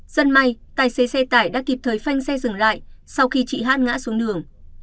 dân may tài xế xe tải đã kịp thời phanh xe dừng lại sau khi chị hát ngã xuống đường